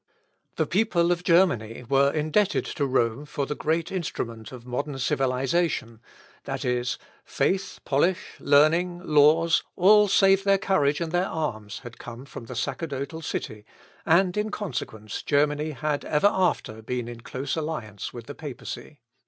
The people of Germany were indebted to Rome for the great instrument of modern civilisation, viz., faith, polish, learning, laws, all save their courage and their arms, had come from the sacerdotal city, and, in consequence, Germany had ever after been in close alliance with the Papacy.